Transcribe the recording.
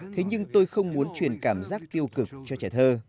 thế nhưng tôi không muốn truyền cảm giác tiêu cực cho trẻ thơ